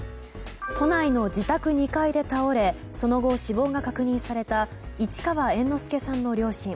都内の自宅２階で倒れその後、死亡が確認された市川猿之助さんの両親。